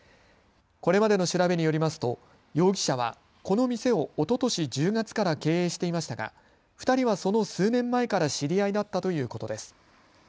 これまでの調べによりますと容疑者は、この店をおととし１０月から経営していましたが２人はその数年前から知り合いだったということです。